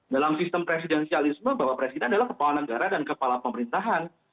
dalam sistem presidensialisme bapak presiden adalah kepala negara dan kepala pemerintahan